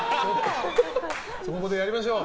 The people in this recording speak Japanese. そこでやりましょう。